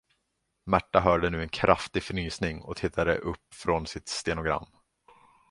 Märta hörde nu en kraftig fnysning och tittade upp från sitt stenogram.